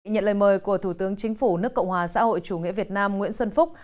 nhận lời mời của thủ tướng chính phủ nước cộng hòa xã hội chủ nghĩa việt nam nguyễn xuân phúc